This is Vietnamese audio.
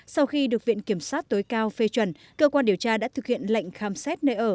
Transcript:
sau khi được viện kiểm sát tối cao phê chuẩn cơ quan điều tra đã thực hiện lệnh khám xét nơi ở